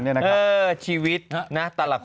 เออชีวิตนะต่างหลักคน